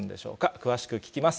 詳しく聞きます。